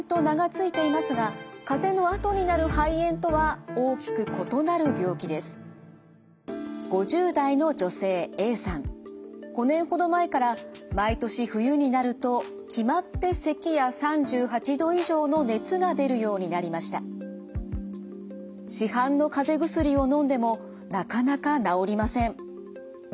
市販のかぜ薬をのんでもなかなか治りません。